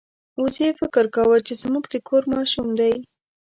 وزې فکر کاوه چې زموږ د کور ماشوم دی.